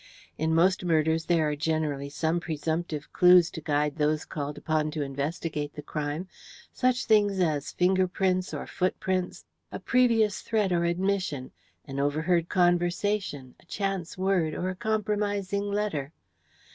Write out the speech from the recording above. In most murders there are generally some presumptive clues to guide those called upon to investigate the crime such things as finger prints or footprints, a previous threat or admission, an overheard conversation, a chance word, or a compromising letter.